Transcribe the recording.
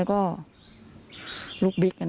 แล้วก็ลูกบิ๊ก